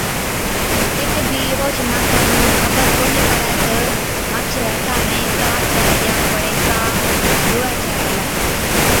تِڏ بِي اوهچ ماڻسا نُون خبر ڪونهِي پڙَي تہ مانڇي هٿا ۾ ڪا ڇي يان بڙي ڪا هُوَي ڇَي پلَي۔